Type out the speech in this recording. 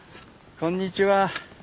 こんにちは。